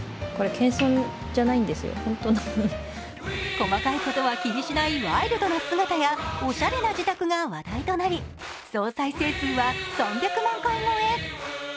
細かいことは気にしないワイルドな姿やおしゃれな自宅が話題となり、総再生数は３００万回超え。